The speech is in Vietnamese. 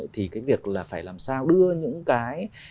thì cái việc là phải làm sao đưa những cái